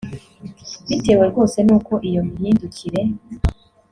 bitewe rwose nuko iyo mihindukire